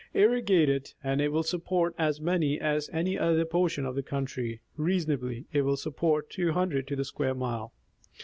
Irrigate it and it will support as many as any other portion of the country — reasonably it will support 200 to the square mile.